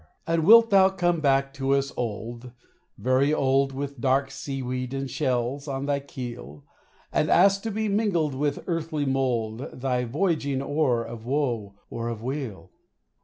And wilt thou come back to us old, very old, With dark sea weed and shells on thy keel, And ask to be mingled with earthly mold, Thy voyaging o'er of woe or of weal?